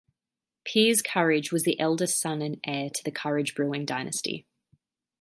Piers Courage was the eldest son and heir to the Courage brewing dynasty.